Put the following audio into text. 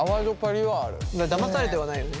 だまされてはないよね。